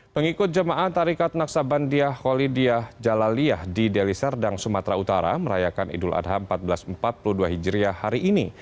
mengikut jemaah tarikat naksabandia kholidiyah jalaliyah di deliserdang sumatera utara merayakan idul adha seribu empat ratus empat puluh dua hijriah hari ini